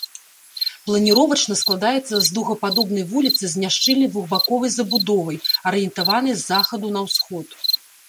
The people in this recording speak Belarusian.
Планіровачна складаецца з дугападобнай вуліцы з няшчыльнай двухбаковай забудовай, арыентаванай з захаду на ўсход.